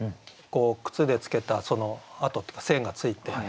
靴でつけた跡っていうか線がついて。